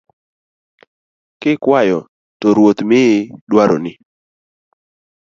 Kikuayo to Ruoth miyi dwaroni